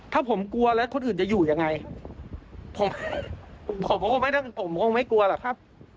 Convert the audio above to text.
ถ้าผมกลัวแล้วคนอื่นจะอยู่ยังไงผมก็ไม่กลัวหรอกครับ